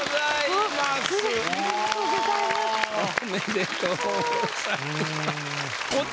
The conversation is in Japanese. おめでとうございます。